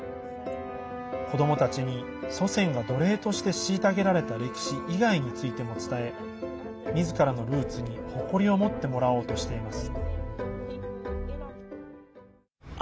子どもたちに祖先が奴隷として虐げられた歴史以外についても伝えみずからのルーツに、誇りを持ってもらおうとしています。